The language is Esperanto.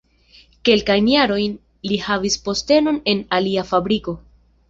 Kelkajn jarojn li havis postenon en alia fabriko.